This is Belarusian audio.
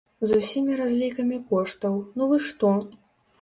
З ўсімі разлікамі коштаў, ну вы што!